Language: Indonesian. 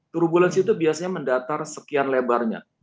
turbulensi itu biasanya mendatar sekian lebarnya